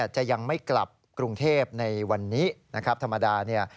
จะยังไม่กลับกรุงเทพฯในวันนี้